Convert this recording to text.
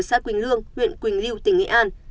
xã quỳnh lương huyện quỳnh lưu tỉnh nghệ an